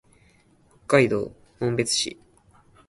北海道紋別市